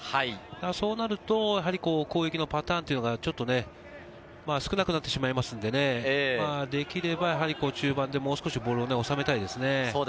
そうなると攻撃のパターンというのは少なくなってしまいますので、できればやはり中盤でもう少しボールを収めたいですね。